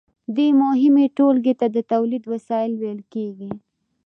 دې مهمې ټولګې ته د تولید وسایل ویل کیږي.